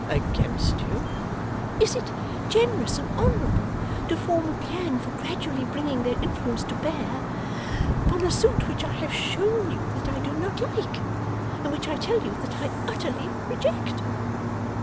'Against you?' 'Is it generous and honourable to form a plan for gradually bringing their influence to bear upon a suit which I have shown you that I do not like, and which I tell you that I utterly reject?